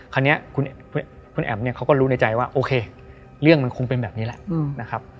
คราวนี้คุณแอ๋มเนี่ยเขาก็รู้ในใจว่าโอเคเรื่องมันคงเป็นแบบนี้แหละนะครับ